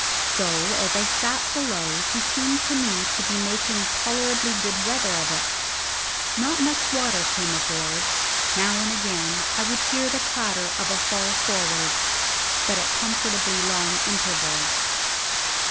So as I sat below she seemed to me to be making tolerably good weather of it. Not much water came aboard; now and again I would hear the clatter of a fall forwards, but at comfortably long intervals.